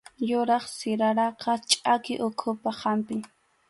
Yuraq siraraqa chʼaki uhupaq hampim